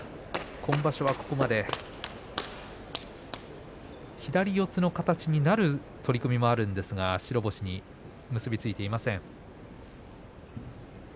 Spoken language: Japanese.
今場所はここまで左四つの形になる取組もあるんですが白星に結び付いていません。